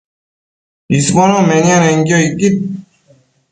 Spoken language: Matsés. isbono nemianenquio icquid